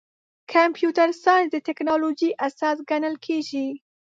کمپیوټر ساینس د ټکنالوژۍ اساس ګڼل کېږي.